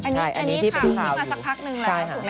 ใช่อันนี้ที่พี่ฟังอยู่ชื่อนี้มาสักพักหนึ่งแล้ว